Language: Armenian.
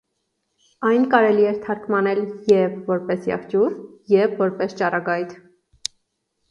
Այն կարելի է թարգմանել և՛ որպես «եղջյուր» և՛ որպես «ճառագայթ»։